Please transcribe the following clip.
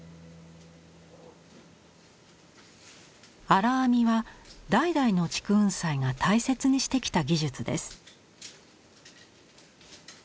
荒編みは代々の竹雲斎が大切にしてきた技術です。